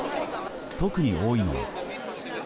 特に多いのは。